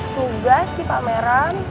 tugas di pameran